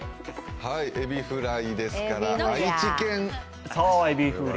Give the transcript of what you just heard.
えびフライですから、愛知県！